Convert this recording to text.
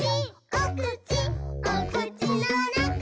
おくちおくちのなかに」